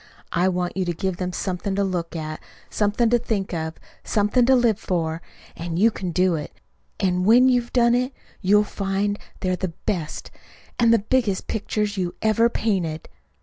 I want you to give them something to look at, something to think of, something to live for. And you can do it. And when you have done it, you'll find they're the best and and the biggest pictures you ever painted."